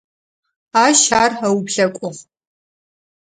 Ащ ар ыуплъэкӏугъ.